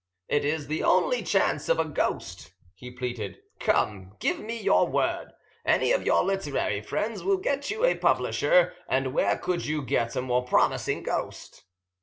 "It is the only chance of a ghost," he pleaded. "Come, give me your word. Any of your literary friends will get you a publisher, and where could you get a more promising ghost?"